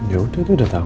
ya udah itu udah tau